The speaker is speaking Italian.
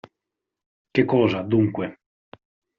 Che cosa, dunque?